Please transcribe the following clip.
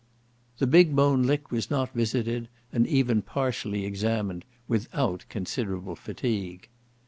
The Big Bone Lick was not visited, and even partially examined, without considerable fatigue.